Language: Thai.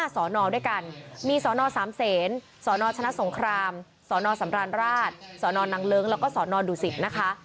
สอนอด้วยกันมีสน๓เสนสนชนะสงครามสนสำราญราชสนนางเลิ้งแล้วก็สนดุสิตนะคะ